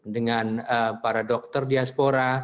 dengan para dokter diaspor